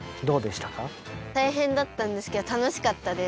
たいへんだったんですけどたのしかったです。